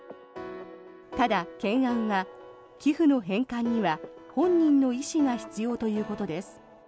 ただ、懸案は寄付の返還には本人の意思が必要ということです。